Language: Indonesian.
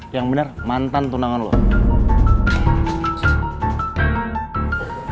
yang benar mantan tunangan lo